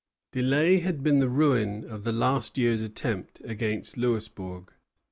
Delay had been the ruin of the last year's attempt against Louisbourg.